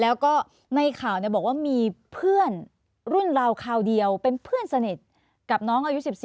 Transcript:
แล้วก็ในข่าวบอกว่ามีเพื่อนรุ่นเราคราวเดียวเป็นเพื่อนสนิทกับน้องอายุ๑๔